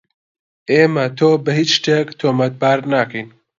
ئێمە تۆ بە هیچ شتێک تۆمەتبار ناکەین.